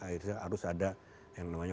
harus ada yang namanya